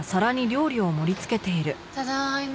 ただいま。